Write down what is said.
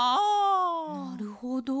なるほど。